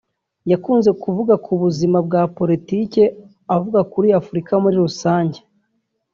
yakunze kuvuga ku buzima bwa politiki avuga kuri Afurika muri rusange